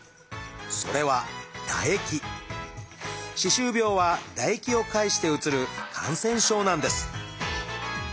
それは歯周病は唾液を介してうつる感染症なんです。